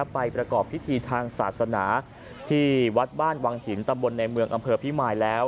ประกอบพิธีทางศาสนาที่วัดบ้านวังหินตำบลในเมืองอำเภอพิมายแล้ว